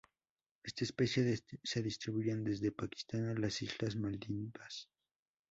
Esta especie se distribuyen desde Pakistán a las Islas Maldivas.